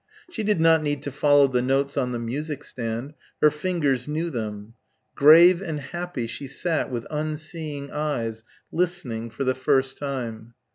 She did not need to follow the notes on the music stand. Her fingers knew them. Grave and happy she sat with unseeing eyes, listening, for the first time.